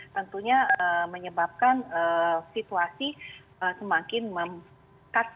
tentunya menyebabkan situasi semakin membekat